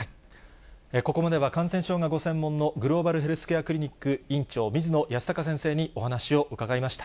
ここまでは感染症がご専門のグローバルヘルスケアクリニック院長、水野泰孝先生にお話を伺いました。